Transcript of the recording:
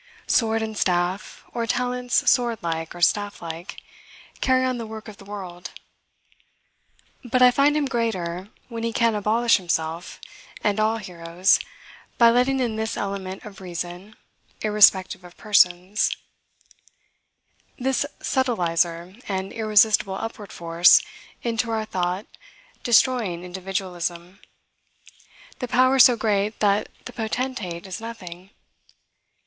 Sword and staff, or talents sword like or staff like, carry on the work of the world. But I find him greater, when he can abolish himself, and all heroes, by letting in this element of reason, irrespective of persons; this subtilizer, and irresistible upward force, into our thought, destroying individualism; the power so great, that the potentate is nothing.